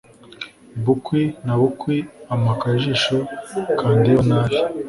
Bukwi na bukwi ampa akajisho kandeba nabi